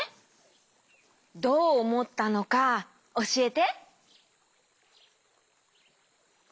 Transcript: どうおもったのかおしえて。